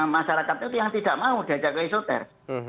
masyarakat itu yang tidak mau diajak ke isoter